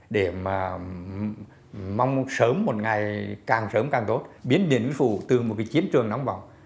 để mà mong sớm một ngày càng sớm càng tốt biến điện biên phủ từ một cái chiến trường nóng bỏng